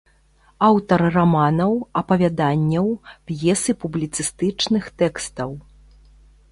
Аўтар раманаў, апавяданняў, п'ес і публіцыстычных тэкстаў.